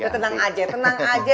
tenang aja tenang aja